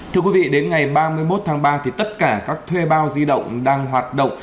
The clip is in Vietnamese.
thưa quý vị đến ngày ba mươi một tháng ba tất cả các thuê bao di động đang hoạt động